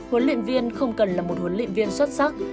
huấn luyện viên không cần là một huấn luyện viên xuất sắc